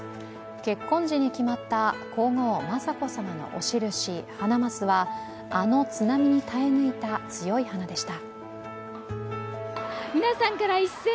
結婚時に決まった皇后・雅子さまのお印ハマナスはあの津波に耐え抜いた強い花でした。